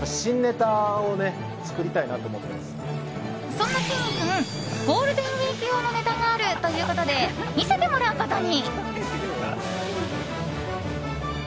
そんな、きんに君ゴールデンウィーク用のネタがあるということで見せてもらうことに。